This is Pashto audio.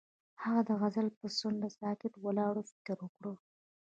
هغه د غزل پر څنډه ساکت ولاړ او فکر وکړ.